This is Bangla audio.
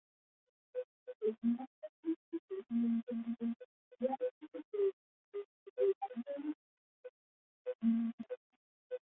এই বিমানবন্দর থেকে নিয়মিতভাবে গুয়াহাটি, কলকাতা, মুম্বাই ও বেঙ্গালুরুতে বিমান চলাচল করে।